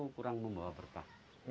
gunung membawa berkah